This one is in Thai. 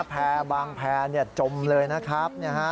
แพร่บางแพร่จมเลยนะครับ